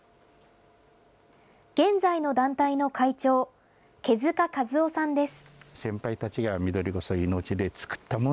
現在の団体の会長、毛塚一男さんです。